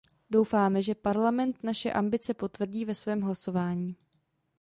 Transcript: Doufáme, že Parlament naše ambice potvrdí ve svém hlasování.